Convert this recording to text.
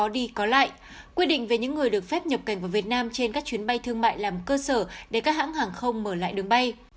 để các hãng hàng không mở lại đường bay